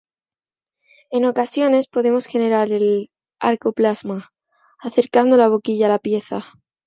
En ocasiones podemos generar el "arco-plasma" acercando la boquilla a la pieza.